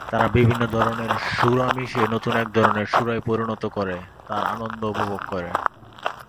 তারা বিভিন্ন ধরনের সুরা মিশিয়ে নতুন এক ধরনের সুরায় পরিণত করে তার আনন্দ উপভোগ করে।